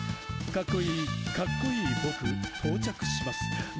「かっこいいかっこいい僕到着しますー」